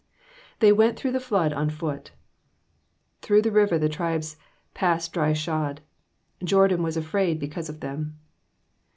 ^^ They went through the flood on foot.^'^ Through the river the tribes passed dry shod, Jordan was afraid because of them.